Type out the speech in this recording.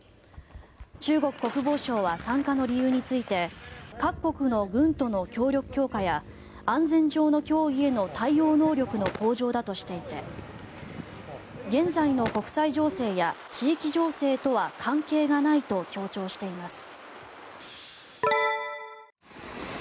中国国防省は参加の理由について各国の軍との協力強化や安全上の脅威への対応能力の向上だとしていて現在の国際情勢や地域情勢とは関係がないと強調しています。